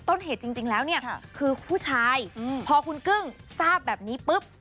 ต้นเหตุจริงแล้วเนี่ยคือผู้ชายพอคุณกึ้งทราบแบบนี้ปุ๊บ